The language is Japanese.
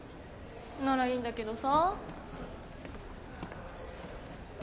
ならいいんだけどさ。